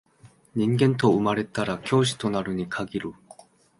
人間と生まれたら教師となるに限る